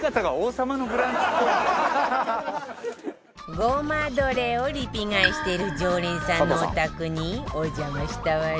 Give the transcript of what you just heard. ごまドレをリピ買いしてる常連さんのお宅にお邪魔したわよ